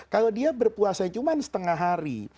kalau dia berpuasa cuma setengah hari